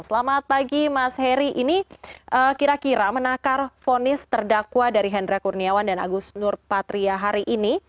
selamat pagi mas heri ini kira kira menakar fonis terdakwa dari hendra kurniawan dan agus nur patria hari ini